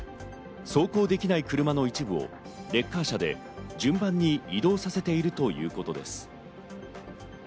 走行できない車の一部をレッカー車で順番に移動させているということです。